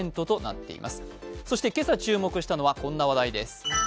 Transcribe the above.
今朝注目したのは、こんな話題です